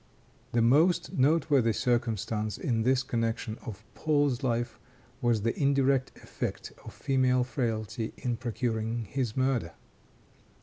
The most noteworthy circumstance, in this connection, of Paul's life was the indirect effect of female frailty in procuring his murder.